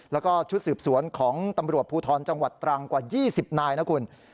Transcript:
แล้วก็ชุดสืบสวนของตำรวจภูทรจังหวัดตรังกว่า๒๐นายนะคุณ